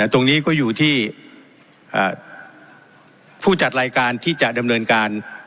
ตรงนี้ก็อยู่ที่ผู้จัดรายการที่จะดำเนินการ